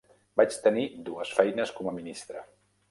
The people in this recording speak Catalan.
Vaig tenir dues feines com a ministre.